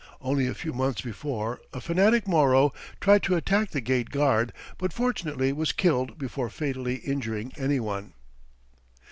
Only a few months before, a fanatic Moro tried to attack the gate guard, but fortunately was killed before fatally injuring any one.